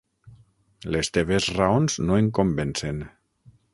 Les teves raons no em convencen.